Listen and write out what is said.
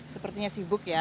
sepertinya sibuk ya